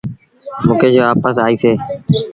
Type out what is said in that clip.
مڪيش وآپس آئيٚسي۔